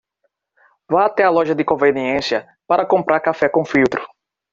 Vá até a loja de conveniência para comprar café com filtro